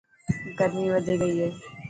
گرمي وڌي گئي هي.